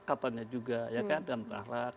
katanya juga dengan berakhlak